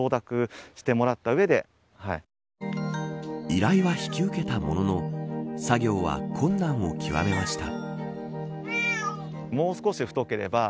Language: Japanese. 依頼は引き受けたものの作業は困難を極めました。